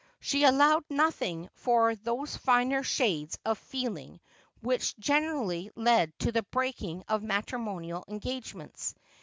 She allowed nothing for those finer shades of feeling which generally lead to the breaking of matrimonial engage ments.